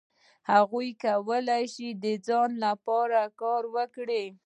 هغوی کولای شول چې د ځان لپاره کار وکړي.